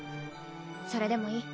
それでもいい？